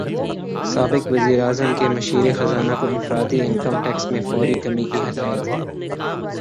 سابق وزیراعظم کی مشیر خزانہ کو انفرادی انکم ٹیکس میں فوری کمی کی ہدایت